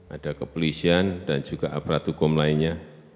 ada kepolisian dan juga aparat hukum lainnya